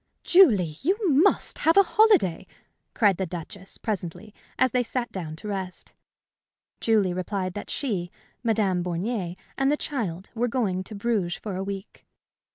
"Julie! you must have a holiday!" cried the Duchess, presently, as they sat down to rest. Julie replied that she, Madame Bornier, and the child were going to Bruges for a week.